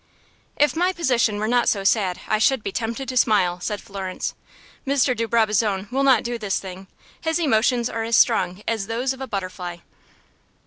"If my position were not so sad, I should be tempted to smile," said Florence. "Mr. de Brabazon will not do this thing. His emotions are as strong as those of a butterfly."